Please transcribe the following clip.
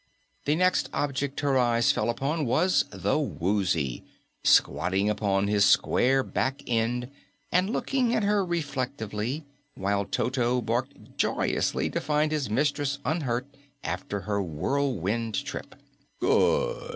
The next object her eyes fell upon was the Woozy, squatting upon his square back end and looking at her reflectively, while Toto barked joyously to find his mistress unhurt after her whirlwind trip. "Good!"